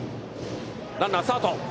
ランナー、スタート。